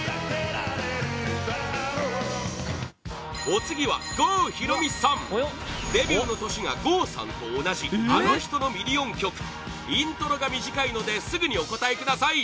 お次は郷ひろみさんデビューの年が郷さんと同じあの人のミリオン曲イントロが短いのですぐにお答えください